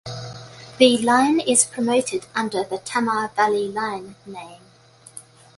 The line is promoted under the "Tamar Valley Line" name.